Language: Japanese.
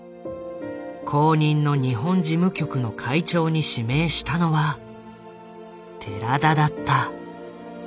後任の日本事務局の会長に指名したのは寺田だった。